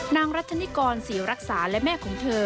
นางรัฐนิกรศรีรักษาและแม่ของเธอ